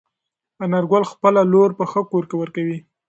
انارګل خپله لور په ښه کور کې ورکوي.